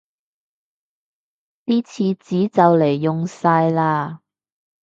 啲廁紙就黎用晒喇